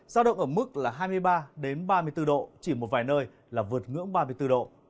giao động ở mức là hai mươi ba ba mươi bốn độ chỉ một vài nơi là vượt ngưỡng ba mươi bốn độ